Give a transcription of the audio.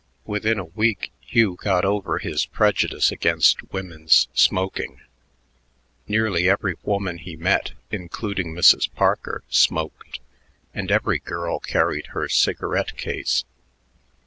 Within a week Hugh got over his prejudice against women's smoking. Nearly every woman he met, including Mrs. Parker, smoked, and every girl carried her cigarette case.